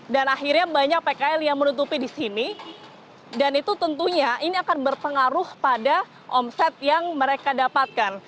dan akhirnya banyak pkl yang menutupi di sini dan itu tentunya ini akan berpengaruh pada omset yang mereka dapatkan